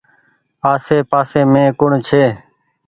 آسي پآسي مين ڪوڻ ڇي۔